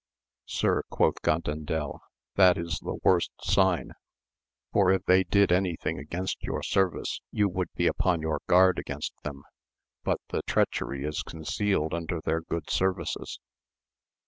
Sir, quoth Gandandel, that is the worst sign, for if they did any thing against your service you would be upon your guard against them, but the treachery is concealed under their good services.